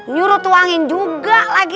nyuruh tuangin juga lagi